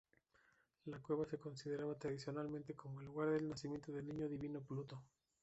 La cueva se consideraba tradicionalmente como el lugar del nacimiento de niño divino Pluto.